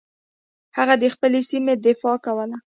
هغه د خپلې سیمې دفاع کوله.